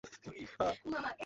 ধাঁ করে একটা প্ল্যান মাথায় এল।